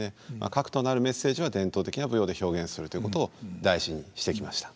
核となるメッセージは伝統的な舞踊で表現するということを大事にしてきました。